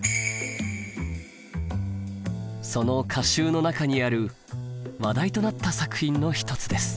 その歌集の中にある話題となった作品の一つです。